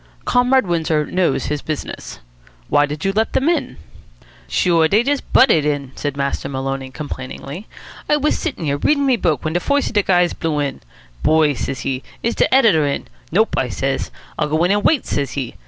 "Comrade Windsor knows his business. Why did you let them in?" "Sure, dey just butted in," said Master Maloney complainingly. "I was sittin' here, readin' me book, when de foist of de guys blew in. 'Boy,' says he, 'is de editor in?' 'Nope,' I says. 'I'll go in an' wait,' says he.